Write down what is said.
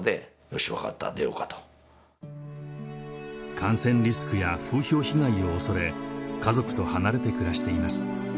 感染リスクや風評被害を恐れ家族と離れて暮らしています